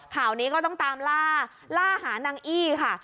ข่าวนี้ก็ต้องตามล่าล่าหานางอี้ค่ะ